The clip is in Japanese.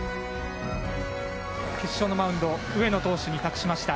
決勝のマウンド、上野投手に託しました。